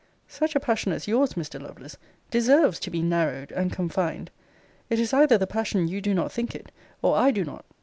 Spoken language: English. Such a passion as yours, Mr. Lovelace, deserves to be narrowed and confined. It is either the passion you do not think it, or I do not.